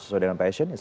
sesuai dengan passion